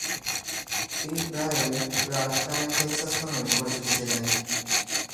তিনি প্রায়ই "রাগটাইম টেক্সাস" নামে পরিচিত ছিলেন।